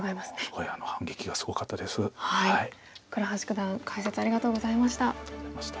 倉橋九段解説ありがとうございました。